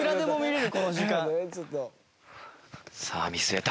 「さあ見据えた」